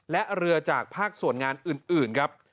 และเรือจากภาคส่วนงานอื่นครับ